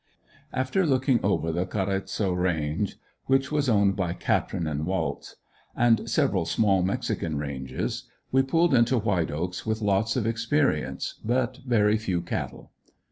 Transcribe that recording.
After looking over the "Carezo" range, which was owned by Catron and Waltz and several small mexican ranges, we pulled into White Oaks with lots of experience but very few cattle.